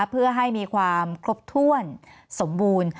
เพื่อให้มีความครบถ้วนสมบูรณ์